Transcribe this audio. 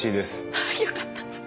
あよかった。